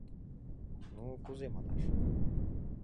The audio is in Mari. — Ну, кузе манаш?..